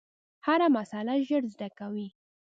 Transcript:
هره مسئله ژر زده کوي.